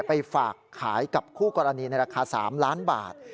ไปฝากขายกับคู่กรณีในราคา๓ล้านบาท